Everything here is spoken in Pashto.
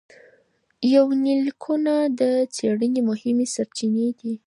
يونليکونه د څېړنې مهمې سرچينې دي.